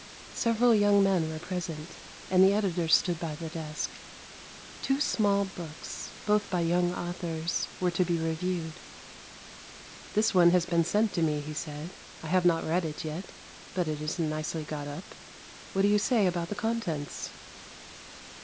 Several young men were present, and the editor stood by the desk. Two small books, both by young authors, were to be reviewed. ' This one has been sent to me,' he said; ' I have not read it yet, but it is nicely got up; what do you say about the contents?'